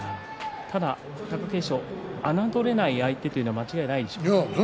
ただ、貴景勝にとっては侮れない相手というのは間違いないですか。